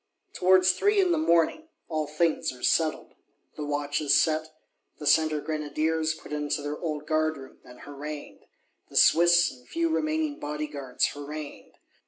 Towards three in the morning all things are settled: the watches set, the Centre Grenadiers put into their old Guard room, and harangued; the Swiss, and few remaining Bodyguards harangued.